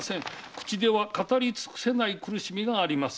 「口では語りつくせない苦しみがあります」